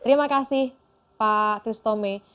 terima kasih pak christome